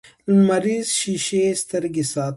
لمریزې شیشې سترګې ساتي